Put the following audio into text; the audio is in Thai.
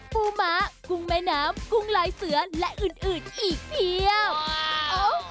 หมูม้ากุ้งแม่น้ำกุ้งลายเสือและอื่นอื่นอีกเพียบ